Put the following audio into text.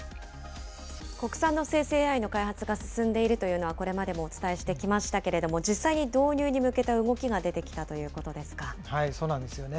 国産の生成ＡＩの開発が進んでいるというのは、これまでもお伝えしてきましたけれども、実際に導入に向けた動きが出てきたとそうなんですよね。